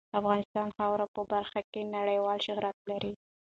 افغانستان د خاوره په برخه کې نړیوال شهرت لري.